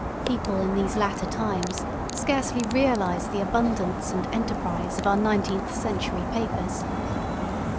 People in these latter times scarcely realise the abundance and enterprise of our nineteenth century papers.